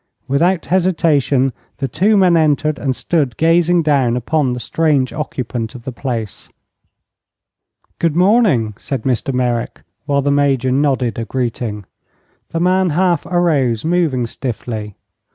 Without hesitation, the two men entered and stood gazing down upon the strange occupant of the place. "Good morning," said Mr. Merrick, while the Major nodded a greeting. The man half arose, moving stiffly.